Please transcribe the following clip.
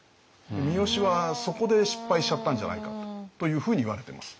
三好はそこで失敗しちゃったんじゃないかというふうにいわれています。